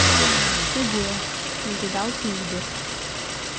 — Туге... — мугедалте ӱдыр.